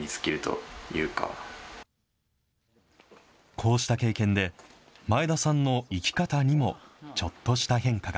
こうした経験で、前田さんの生き方にも、ちょっとした変化が。